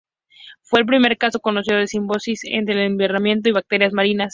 Fue el primer caso conocido de simbiosis entre un invertebrado y bacterias marinas.